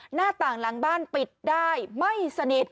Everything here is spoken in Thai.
หน้าต่างหลังบ้านปิดได้ไม่สนิท